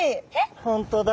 本当だ。